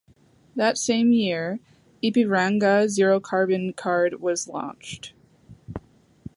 That same year, Ipiranga Zero Carbon Card was launched.